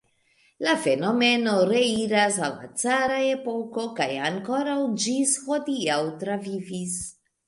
La fenomeno reiras al la cara epoko kaj ankoraŭ ĝis hodiaŭ travivis.